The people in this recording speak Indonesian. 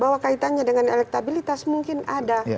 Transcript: bahwa kaitannya dengan elektabilitas mungkin ada